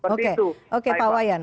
oke oke pawayan